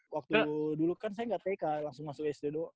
waktu dulu kan saya nggak tk langsung masuk sd doa